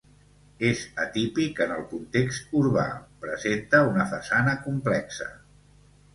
És atípic en el context urbà, presenta una façana complexa.